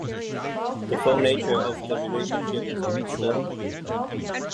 The full nature of the relationship is uncertain.